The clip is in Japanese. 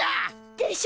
でしょ？